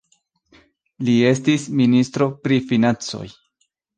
Li estis ministro pri Financoj.